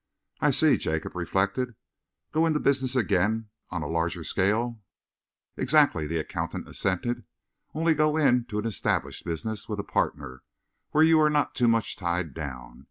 "I see," Jacob reflected. "Go into business again on a larger scale?" "Exactly," the accountant assented, "only, go into an established business, with a partner, where you are not too much tied down.